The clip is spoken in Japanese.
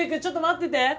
ちょっと待ってて。